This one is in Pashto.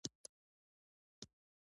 ګلداد وویل: دا خو دې ډېره ښه خبره وکړه.